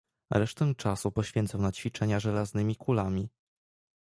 "Resztę czasu poświęcał na ćwiczenia żelaznymi kulami."